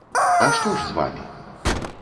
А што ж з вамі?